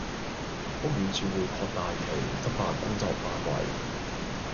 屋宇署會擴大其執法工作範圍